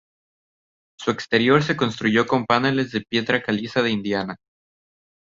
Su exterior se construyó con paneles de piedra caliza de Indiana.